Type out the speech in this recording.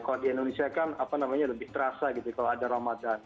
kalau di indonesia kan apa namanya lebih terasa gitu kalau ada ramadan